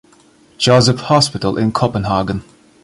Joseph Hospital in Copenhagen.